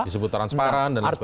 disebut transparan dan sebagainya